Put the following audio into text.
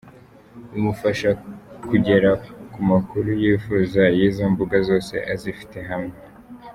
Bimufasha kugera ku makuru yifuza y’izo mbuga zose azifite hamwe.